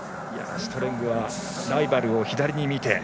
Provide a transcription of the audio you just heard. シュトレングはライバルを左に見て。